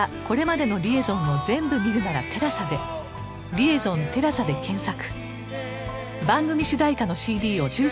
「リエゾンテラサ」で検索